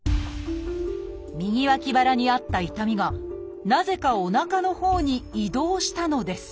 右脇腹にあった痛みがなぜかおなかのほうに移動したのです